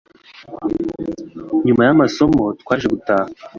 nyuma y'amasomo twaje gutaha.